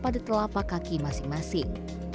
di telapak kaki masing masing